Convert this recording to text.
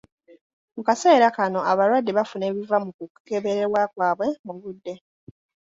Mu kaseera kano, abalwadde bafuna ebiva mu kukeberebwa kwaabwe mu budde.